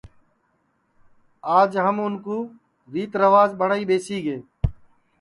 اور ہمون آج اُن کُو ریتی ریوج ٻٹؔائی ٻیسی گئے ہے